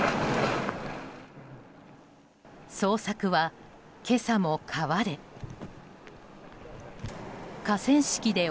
捜索は今朝も川で。